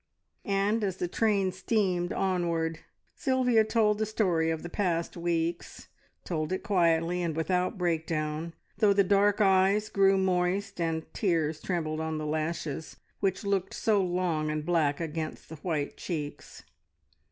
And as the train steamed onward, Sylvia told the story of the past weeks, told it quietly, and without breakdown, though the dark eyes grew moist, and tears trembled on the lashes which looked so long and black against the white cheeks.